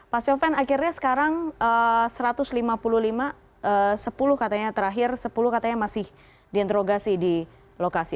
pak sofyan akhirnya sekarang satu ratus lima puluh lima sepuluh katanya terakhir sepuluh katanya masih diinterogasi di lokasi